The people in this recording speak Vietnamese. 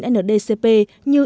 hai nghìn một mươi chín ndcp như